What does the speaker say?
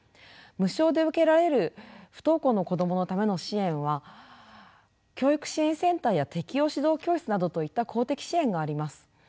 無償で受けられる不登校の子どものための支援は教育支援センターや適応指導教室などといった公的支援があります。